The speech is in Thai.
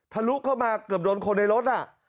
ลุเข้ามาเกือบโดนคนในรถ